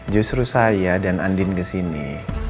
justru saya dan andin ke sini